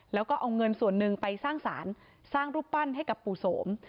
แล้วก็เอาเงินส่วนหนึ่งไปสร้างสารสร้างรูปปั้นให้กับปู่โสม